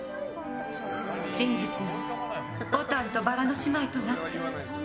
真実の牡丹と薔薇の姉妹となって。